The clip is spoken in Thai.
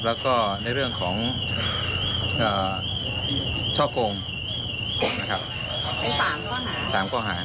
แล้วก็ในเรื่องของช่อกงนะครับ๓ข้อหา๓ข้อหา